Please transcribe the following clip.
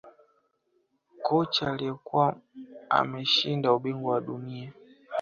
Kocha aliyekuwa ameshinda ubingwa wa dunia